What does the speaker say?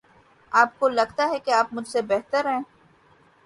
آپ کو لگتا ہے کہ آپ مجھ سے بہتر ہیں۔